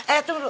eh tunggu dulu